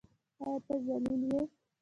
او ته ذلیل یې.